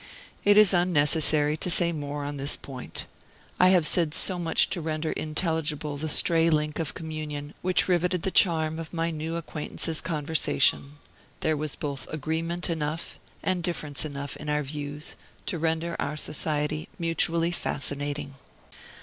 It is unnecessary to say more on this point. I have said so much to render intelligible the stray link of communion which riveted the charm of my new acquaintance's conversation; there was both agreement enough and difference enough in our views to render our society mutually fascinating.